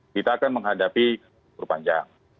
kita akan menghadapi bulan panjang